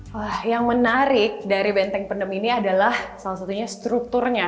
wah yang menarik dari benteng pendem ini adalah salah satunya strukturnya